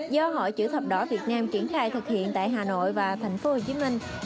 do hội chữ thập đỏ việt nam triển khai thực hiện tại hà nội và tp hcm